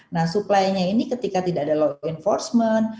nah supplynya ini ketika tidak ada law enforcement